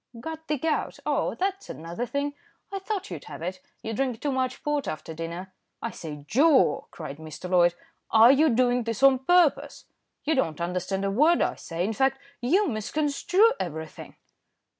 "Got the gout. Oh! that's another thing. I thought you'd have it. You drink too much port after dinner." "I say, Joe," cried Mr. Loyd, "are you doing this on purpose? You don't understand a word I say; in fact, you misconstrue everything."